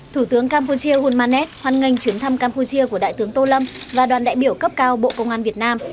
thủ tướng campuchia hulmanet hoan nghênh chuyến thăm campuchia của đại tướng tô lâm và đoàn đại biểu cấp cao bộ công an việt nam